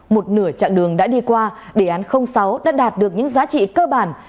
một nửa chặng đường đã đi qua đề án sáu đã đạt được những giá trị cơ bản